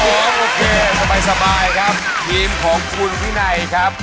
โอเคสบายครับทีมของคุณวินัยครับ